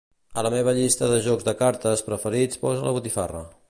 A la meva llista de jocs de cartes preferits posa la botifarra.